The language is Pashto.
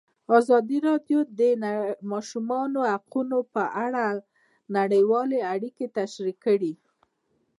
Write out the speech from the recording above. ازادي راډیو د د ماشومانو حقونه په اړه نړیوالې اړیکې تشریح کړي.